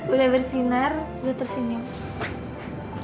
udah bersinar udah tersenyum